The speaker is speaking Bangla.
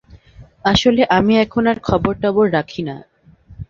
আসলে আমি এখন আর খবর-টবর রাখি না।